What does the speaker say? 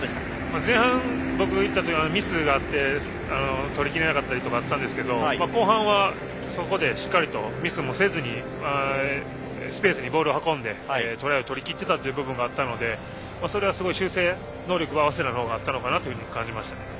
前半、僕も言ったようにミスがあって取りきれなかったところもあったんですが後半はそこでしっかりとミスもせずにスペースにボールを運んでトライを取り切った部分があったのでそれは、修正能力は早稲田のほうがあったのかなと感じました。